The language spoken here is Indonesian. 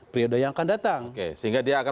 periode yang akan datang sehingga dia akan